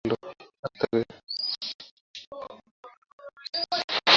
আত্মাকে জীবন বলতে পারা যায় না, কিন্তু তাই থেকেই সুখের উৎপত্তি হয়।